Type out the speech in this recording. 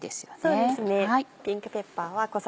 そうですね。